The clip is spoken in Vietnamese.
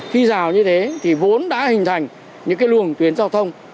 khi rào như thế thì vốn đã hình thành những cái luồng tuyến giao thông